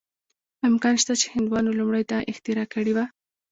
امکان شته چې هندوانو لومړی دا اختراع کړې وه.